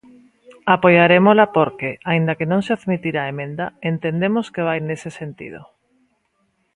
Apoiarémola porque, aínda que non se admitira a emenda, entendemos que vai nese sentido.